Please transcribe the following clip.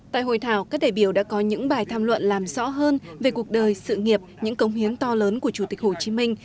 tại hội thảo các đại biểu đã có những bài tham luận làm rõ hơn về cuộc đời sự nghiệp những công hiến to lớn của chủ tịch hồ chí minh